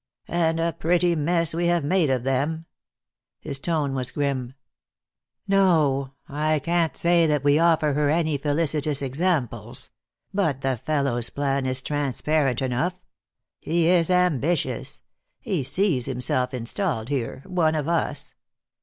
"And a pretty mess we have made of them!" His tone was grim. "No, I can't say that we offer her any felicitous examples. But the fellow's plan is transparent enough. He is ambitious. He sees himself installed here, one of us.